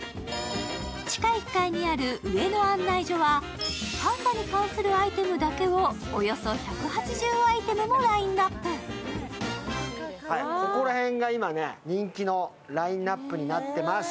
地下１階にある上野案内所はパンダに関するアイテムだけをおよそ１８０アイテムもラインナップここら辺が今、人気のラインナップになっています。